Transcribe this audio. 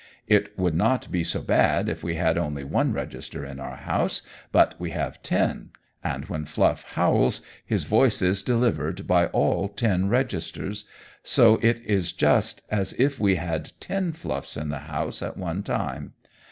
It would not be so bad if we had only one register in our house, but we have ten, and when Fluff howls, his voice is delivered by all ten registers, so it is just as if we had ten Fluffs in the house at one time.